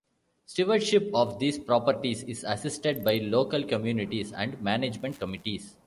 Stewardship of these properties is assisted by local communities and management committees.